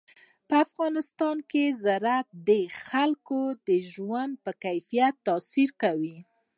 په افغانستان کې زراعت د خلکو د ژوند په کیفیت تاثیر کوي.